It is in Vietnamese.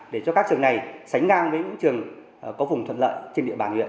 để cho các trường này sánh ngang với những trường có vùng thuận lợi trên địa bàn huyện